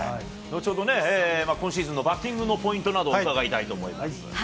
後ほど、今シーズンのバッティングのポイントなどを伺いたいと思います。